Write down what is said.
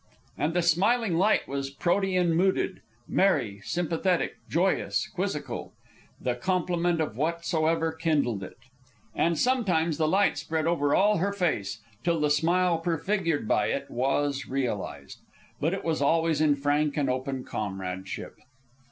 And the smiling light was protean mooded, merry, sympathetic, joyous, quizzical, the complement of whatsoever kindled it. And sometimes the light spread over all her face, till the smile prefigured by it was realized. But it was always in frank and open comradeship.